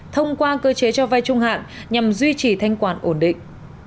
thông qua cơ chế cho vay trung hạn nhằm duy trì thanh quản ổn định